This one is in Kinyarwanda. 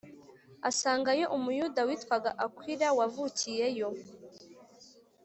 Asangayo Umuyuda witwaga Akwila wavukiyeyo